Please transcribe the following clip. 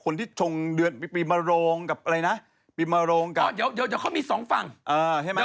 นี่ก็มีแปรป่าแสงจันทร์แล้วจะแบบว่าตายดูยืน